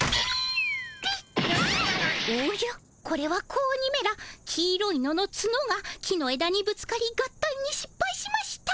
これは子鬼めら黄色いののツノが木のえだにぶつかり合体にしっぱいしました。